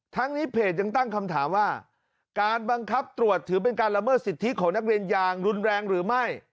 นี้เพจยังตั้งคำถามว่าการบังคับตรวจถือเป็นการละเมิดสิทธิของนักเรียนอย่างรุนแรงหรือไม่